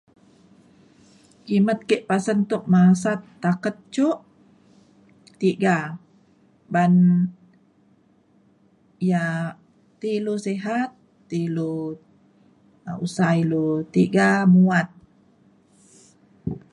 kimen ke pasen tuk masat taket jok tiga ban ia’ ti ilu sihat ti ilu usa ilu tiga muat